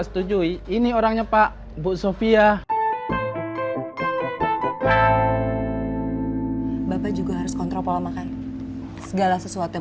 setujui ini orangnya pak bu sofia bapak juga harus kontrol pola makan segala sesuatu yang